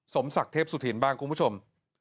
สมศักดิ์เทพสุธินบ้างคุณผู้ชม